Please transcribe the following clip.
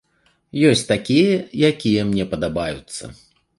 Ёсць такія, якія мне падабаюцца.